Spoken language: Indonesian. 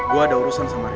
gue ada urusan sama rey